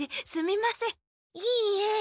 いいえ。